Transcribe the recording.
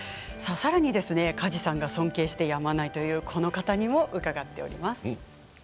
さらに梶さんが尊敬してやまないこの方にも伺っています。